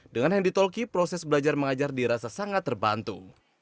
dengan handy talky proses belajar mengajar dirasa sangat terbantu